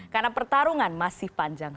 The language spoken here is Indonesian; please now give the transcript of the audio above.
karena pertarungan masih panjang